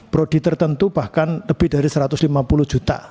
prodi tertentu bahkan lebih dari satu ratus lima puluh juta